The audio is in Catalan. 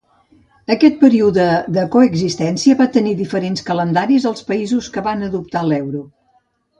Aquest període de coexistència va tenir diferents calendaris als països que van adoptar l'euro.